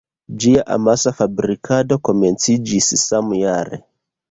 Ĝia amasa fabrikado komenciĝis samjare.